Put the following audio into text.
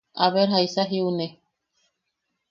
A ver jaisa jiune.